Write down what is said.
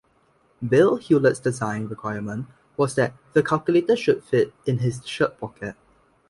Bill Hewlett's design requirement was that the calculator should fit in his shirt pocket.